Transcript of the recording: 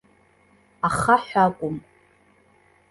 Ахаҳә акәым.